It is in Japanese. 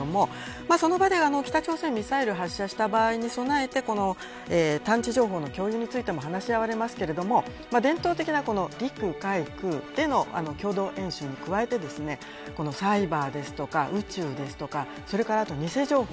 その場で北朝鮮がミサイルを発射した場合に備えて探知情報の共有についても話し合われますけど伝統的な陸海空での共同演習に加えてサイバーですとか宇宙ですとかそれから偽情報